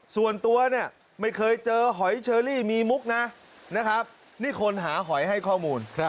ส่วนตัวเนี่ยไม่เคยเจอหอยเชอรี่มีมุกนะนะครับนี่คนหาหอยให้ข้อมูล